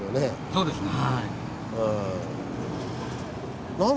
そうですね。